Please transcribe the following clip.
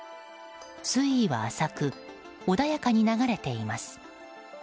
水位は浅く穏やかに流れています。